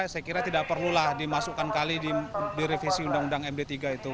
saya kira tidak perlulah dimasukkan kali di revisi undang undang md tiga itu